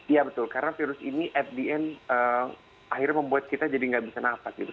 iya betul karena virus ini akhirnya membuat kita nggak bisa nafas gitu